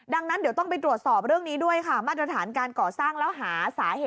ดังนั้นเดี๋ยวต้องไปตรวจสอบเรื่องนี้ด้วยค่ะมาตรฐานการก่อสร้างแล้วหาสาเหตุ